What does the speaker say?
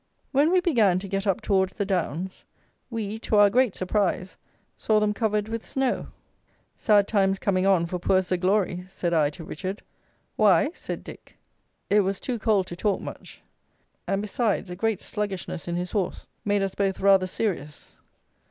When we began to get up towards the downs, we, to our great surprise, saw them covered with Snow. "Sad times coming on for poor Sir Glory," said I to Richard. "Why?" said Dick. It was too cold to talk much; and, besides, a great sluggishness in his horse made us both rather serious.